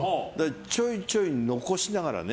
ちょいちょい残しながらね